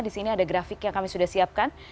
di sini ada grafik yang kami sudah siapkan